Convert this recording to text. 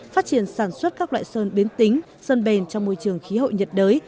phát triển sản xuất các loại sơn biến tính sơn bền trong môi trường khí hậu nhiệt đới